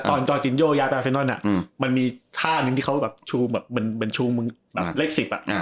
ตอนจอร์จินโยยาไปอาเซนอลมันมีท่านึงที่เขามันชูเมืองเล็กซิก